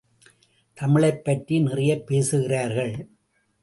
தமிழைப்பற்றி நிறையப் பேசுகிறார்கள்.